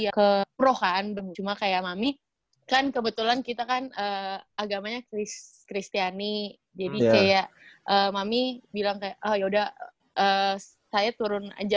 iya keuruhan cuma kayak mami kan kebetulan kita kan agamanya kristiani jadi kayak mami bilang kayak oh yaudah saya turun aja